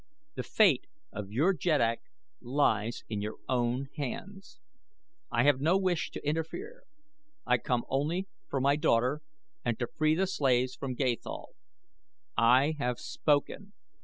The fate of your jeddak lies in your own hands. I have no wish to interfere. I come only for my daughter and to free the slaves from Gathol. I have spoken!"